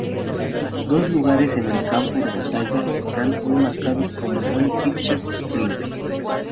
Dos lugares en el campo de batalla están hoy marcados como "Molly Pitcher Spring".